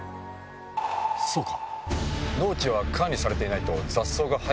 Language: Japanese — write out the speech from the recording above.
そうか。